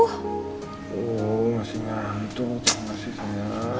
oh masih nyantuk